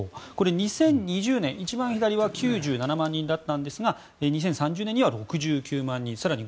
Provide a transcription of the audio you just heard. ２０２０年は９７万人だったんですが２０３０年には６９万人更に